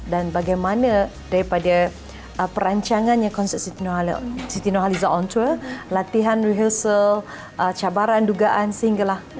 dan bagaimana daripada perancangannya konser siti nohaliza on tour latihan rehusal cabaran dugaan singgah